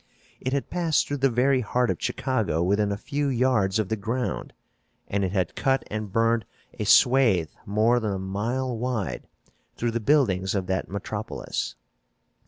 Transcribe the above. It had passed through the very heart of Chicago within a few yards of the ground, and it had cut and burned a swath more than a mile wide through the buildings of that metropolis.